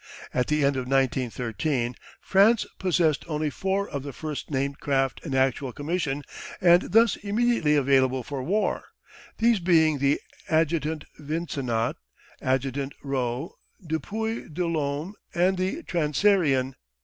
At the end of 1913, France possessed only four of the first named craft in actual commission and thus immediately available for war, these being the Adjutant Vincenot, Adjutant Reau, Dupuy de Lome, and the Transaerien.